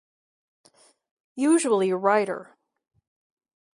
Usually a writer.